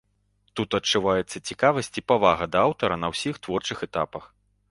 Тут адчуваецца цікавасць і павага да аўтара на ўсіх творчых этапах.